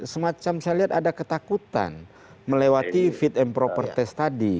semacam saya lihat ada ketakutan melewati fit and proper test tadi